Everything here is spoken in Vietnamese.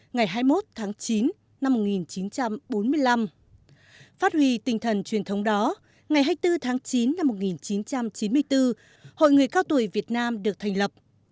ngày hai mươi một tháng chín năm một nghìn chín trăm bốn mươi năm phát huy tinh thần truyền thống đó ngày hai mươi bốn tháng chín năm một nghìn chín trăm chín mươi bốn hội người cao tuổi việt nam được thành lập